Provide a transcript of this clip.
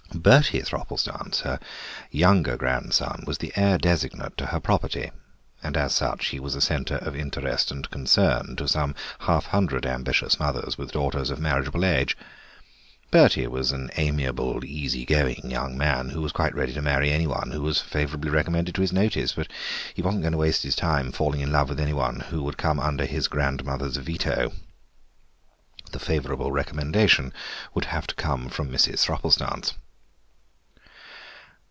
Bertie Thropplestance, her younger grandson, was the heir designate to her property, and as such he was a centre of interest and concern to some half hundred ambitious mothers with daughters of marriageable age. Bertie was an amiable, easy going young man, who was quite ready to marry anyone who was favourably recommended to his notice, but he was not going to waste his time in falling in love with anyone who would come under his grandmother's veto. The favourable recommendation would have to come from Mrs. Thropplestance.